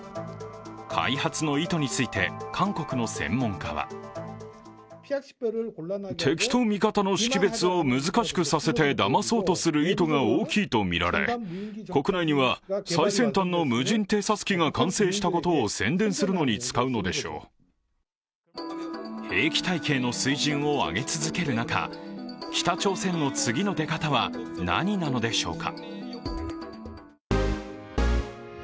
開発の意図について韓国の専門家は兵器体系の水準を上げ続ける中、北朝鮮の次の出方は何なのでしょうか。